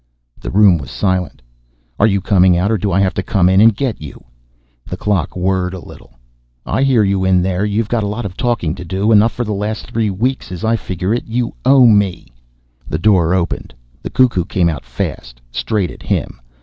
The room was silent. "Are you coming out? Or do I have to come in and get you?" The clock whirred a little. "I hear you in there. You've got a lot of talking to do, enough for the last three weeks. As I figure it, you owe me " The door opened. The cuckoo came out fast, straight at him.